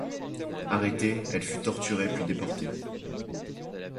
Arrêtée, elle fut torturée puis déportée.